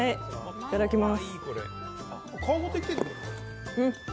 いただきます。